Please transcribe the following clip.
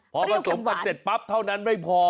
พอผสมกันเสร็จปั๊บเท่านั้นไม่พอ